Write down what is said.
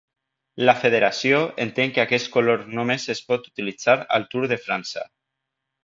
La Federació entén que aquest color només es pot utilitzar al Tour de França.